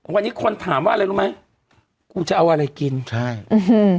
วันนี้คนถามว่าอะไรรู้ไหมกูจะเอาอะไรกินใช่อืม